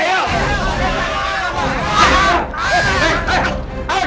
ayo masuk dan buka